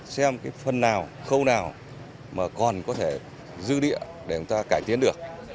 xem cái phần nào khâu nào mà còn có thể dư địa để chúng ta cải tiến được